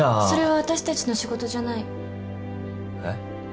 それは私たちの仕事じゃない。えっ？